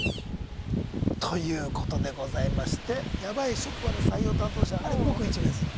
ということでございまして「ヤバい職場の採用担当者」あれごく一部です今。